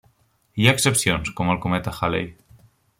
Hi ha excepcions, com el cometa Halley.